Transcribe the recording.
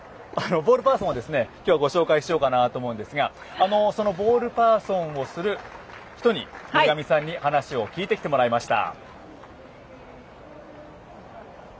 ボールパーソンを今日ご紹介しようかなと思うんですがそのボールパーソンをする人に森上さんに話を聞いてきてもらいました。